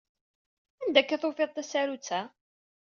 Anda akka ay d-tufiḍ tasarut-a?